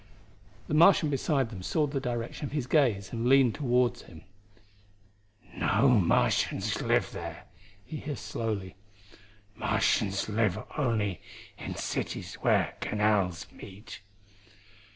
The Martian beside them saw the direction of his gaze and leaned toward him. "No Martians live there," he hissed slowly. "Martians live only in cities where canals meet."